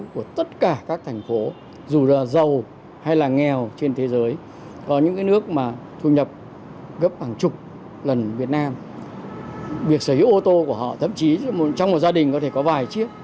gấp bằng chục lần việt nam việc sở hữu ô tô của họ thậm chí trong một gia đình có thể có vài chiếc